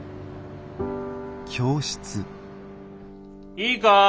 いいか？